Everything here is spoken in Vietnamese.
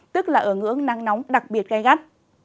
tức là ứng ứng nắng nóng đặc biệt gai gắt